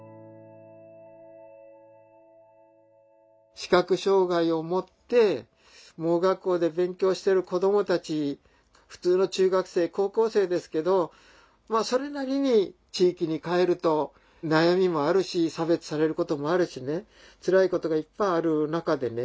視覚障害を持って盲学校で勉強してる子どもたち普通の中学生高校生ですけどそれなりに地域に帰ると悩みもあるし差別されることもあるしねつらいことがいっぱいある中でね